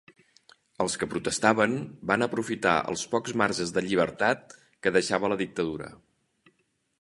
Els que protestaven van aprofitar els pocs marges de llibertat que deixava la Dictadura.